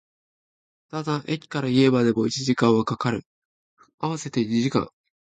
ただ、駅から家までも一時間は掛かる、合わせて二時間